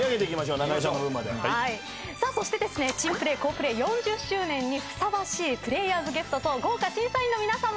さあそして『珍プレー好プレー』４０周年にふさわしいプレーヤーズゲストと豪華審査員の皆さん